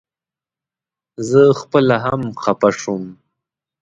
زه خپله هم خپه شوم.